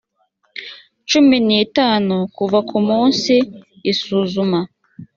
cumi n itanu kuva ku munsi isuzuma